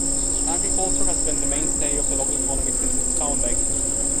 Agriculture has been the mainstay of the local economy since its founding.